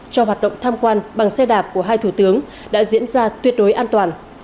cho hoạt động tham quan bằng xe đạp của hai thủ tướng đã diễn ra tuyệt đối an toàn